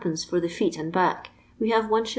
for the feet and back, we have 1*. lo5.